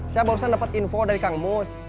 saya baru saja dapat info dari kang mus